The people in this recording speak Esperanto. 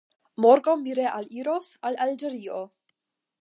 Morgaŭ mi realiros al Alĝerio.